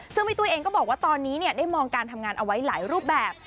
ซึ่งพี่ตุ้ยเองก็บอกว่าตอนนี้ได้มองการทำงานเอาไว้หลายรูปแบบ